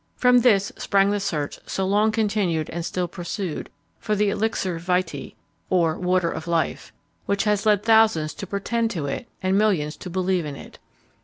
From this sprang the search, so long continued and still pursued, for the elixir vitæ, or water of life, which has led thousands to pretend to it and millions to believe in it.